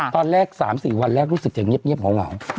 ตอนแรก๓๔วันแรกรู้สึกจะเงียบเหงา